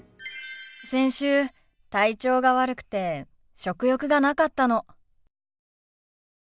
先週体調が悪くて食欲がなかったの。